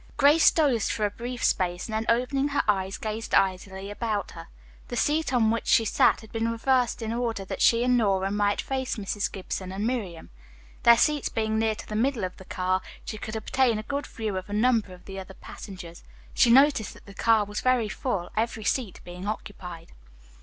Grace dozed for a brief space and then opening her eyes gazed idly about her. The seat on which she sat had been reversed in order that she and Nora might face Mrs. Gibson and Miriam. Their seats being near to the middle of the car, she could obtain a good view of a number of the other passengers. She noticed that the car was very full, every seat being occupied.